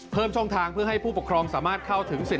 เพิ่มช่องทางเพื่อให้ผู้ปกครองสามารถเข้าถึงสิท